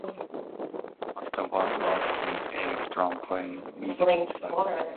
LaRocca at first worked as an electrician, playing music on the side.